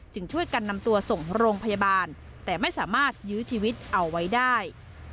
ช่วยกันนำตัวส่งโรงพยาบาลแต่ไม่สามารถยื้อชีวิตเอาไว้ได้